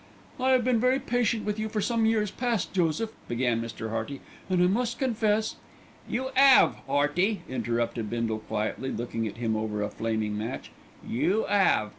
"I have been very patient with you for some years past, Joseph," began Mr. Hearty, "and I must confess " "You 'ave, 'Earty," interrupted Bindle quietly, looking at him over a flaming match, "you 'ave.